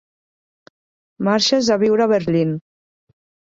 Marxes a viure a Berlín.